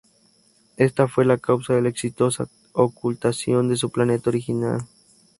Ésta fue la causa de la exitosa ocultación de su planeta original.